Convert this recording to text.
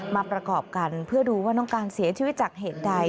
มาประกอบกันเพื่อดูว่าน้องการเสียชีวิตจากเหตุใด